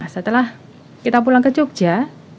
setelah kita pulang ke jogja